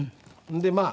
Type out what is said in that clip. でまあ